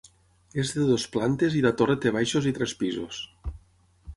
És de dues plantes i la torre té baixos i tres pisos.